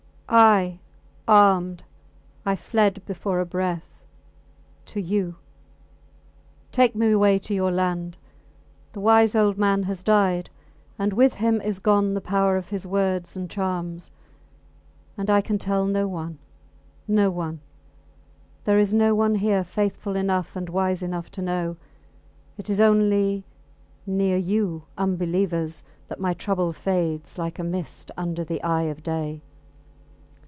I, armed, I fled before a breath to you. Take me away to your land. The wise old man has died, and with him is gone the power of his words and charms. And I can tell no one. No one. There is no one here faithful enough and wise enough to know. It is only near you, unbelievers, that my trouble fades like a mist under the eye of day.